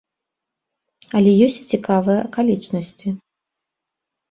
Але ёсць і цікавыя акалічнасці.